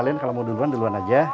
kalian kalau mau duluan duluan aja